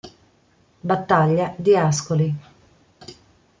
Battaglia di Ascoli